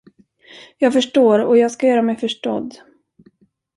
Jag förstår och jag skall göra mig förstådd.